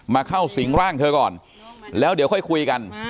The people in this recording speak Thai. เข้าสิงร่างเธอก่อนแล้วเดี๋ยวค่อยคุยกัน